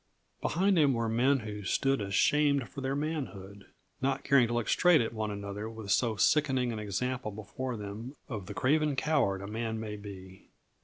] Behind him were men who stood ashamed for their manhood, not caring to look straight at one another with so sickening an example before them of the craven coward a man may be.